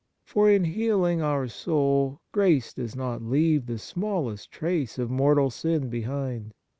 For in healing our soul grace does not leave the smallest trace of mortal sin behind.